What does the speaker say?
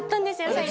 最近。